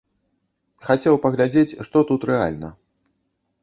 Хацеў паглядзець, што тут рэальна.